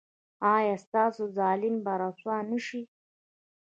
ایا ستاسو ظالم به رسوا نه شي؟